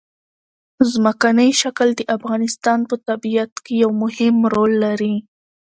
ځمکنی شکل د افغانستان په طبیعت کې یو مهم رول لري.